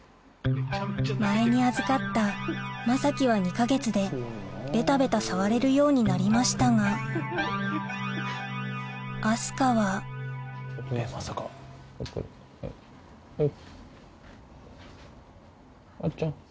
前に預かったまさきは２か月でベタベタ触れるようになりましたが明日香はほいおっ。